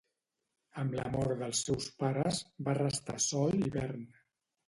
Amb la mort dels seus pares, va restar sol i vern.